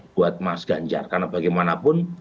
buat mas ganjar karena bagaimanapun